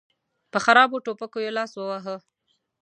په خرابو ټوپکو یې لاس وواهه.